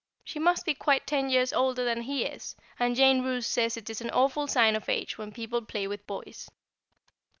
She must be quite ten years older than he is, and Jane Roose says it is an awful sign of age when people play with boys.